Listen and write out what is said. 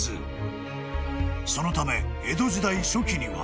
［そのため江戸時代初期には］